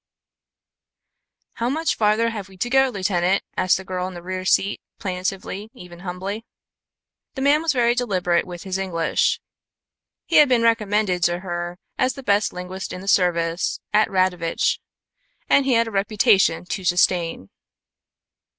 "How much farther have we to go, lieutenant?" asked the girl on the rear seat, plaintively, even humbly. The man was very deliberate with his English. He had been recommended to her as the best linguist in the service at Radovitch, and he had a reputation to sustain.